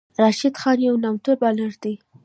راشد خان یو نامتو بالر دئ.